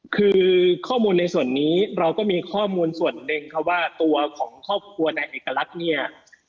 คือข้อมูลในส่วนนี้เราก็มีข้อมูลส่วนหนึ่งครับว่าตัวของครอบครัวนายเอกลักษณ์เนี่ย